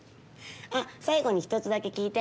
あっ最後に１つだけ聞いて。